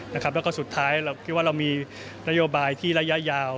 แล้วก็สุดท้ายเรามีโยบายที่ระยะยาว